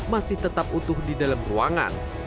masih tetap utuh di dalam ruangan